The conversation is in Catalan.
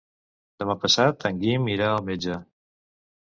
Demà passat en Guim irà al metge.